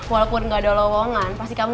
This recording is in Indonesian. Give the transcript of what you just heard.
walaupun gak ada lowongan pasti kamu